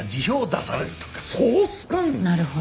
なるほど。